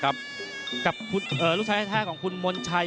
เพราะที่ลูกชัยแถ้บอกว่าเข้ามีปวดของคุณับทาวน์มระชาย